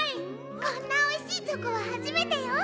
こんなおいしいチョコははじめてよ！